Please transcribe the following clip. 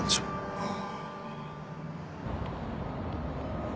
ああ。